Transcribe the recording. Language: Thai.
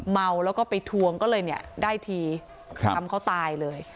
เมาแล้วก็ไปทวงก็เลยเนี่ยได้ทีทำเขาตายเลย